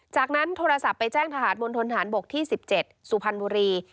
จากนั้นโทรศัพท์ไปแจ้งทหารบนทนฐานบกที่๑๗สุพรรณบุรี